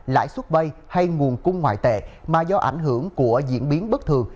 lãi suất vay hay nguồn cung ngoại tệ mà do ảnh hưởng của diễn biến bất thường